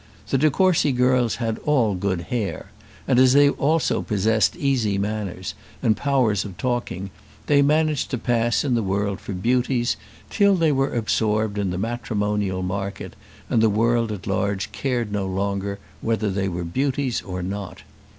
The de Courcy girls had all good hair; and, as they also possessed easy manners and powers of talking, they managed to pass in the world for beauties till they were absorbed in the matrimonial market, and the world at large cared no longer whether they were beauties or not.